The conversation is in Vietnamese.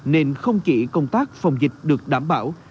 nên không chỉ công tác phòng dịch được đảm bảo